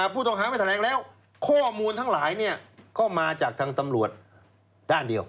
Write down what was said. ผู้ต้องหามาแถลงแล้วข้อมูลทั้งหลายก็มาจากทางตำรวจด้านเดียว